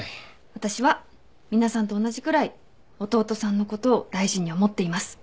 私は皆さんと同じくらい弟さんのことを大事に思っています。